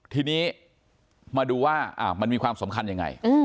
ทีนี้มาดูว่ามันมีความสำคัญยังไง